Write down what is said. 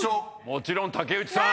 もちろん竹内さん。